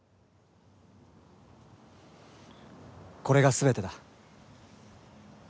これが全てだ。